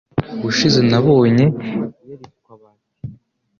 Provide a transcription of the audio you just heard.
Ubushize nabonye , yari ku kabati.